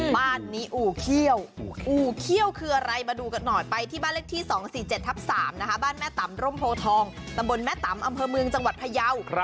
บ้านอู่เขี้ยวมาดูกันหน่อยไปที่บ้านเลขที่๒๔๗ทับ๓บ้านแม่ตำรมโพทองบนแม่ตำอำเภอเมืองจังหวัดพระเยาะ